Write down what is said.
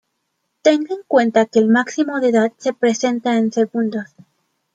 Tenga en cuenta que el máximo de edad se presenta en segundos.